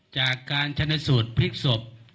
จากการชนะสูตรพลิกศพ